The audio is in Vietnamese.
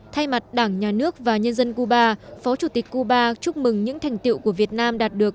thay mặt đảng nhà nước và nhân dân cuba phó chủ tịch cuba chúc mừng những thành tiệu của việt nam đạt được